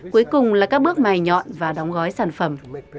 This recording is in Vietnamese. cuối cùng là các bước mài nhọn và đóng gói sản phẩm